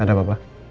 ada apa pak